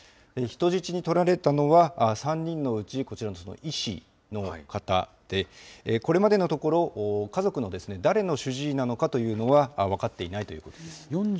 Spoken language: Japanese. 人質に取られたのは、３人のうち、こちらの医師の方で、これまでのところ、家族の誰の主治医なのかというのは分かっていないということです。